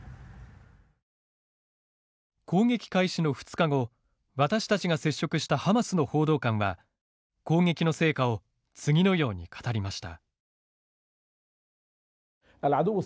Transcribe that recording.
攻撃開始の２日後私たちが接触したハマスの報道官は攻撃の成果を次のように語りました。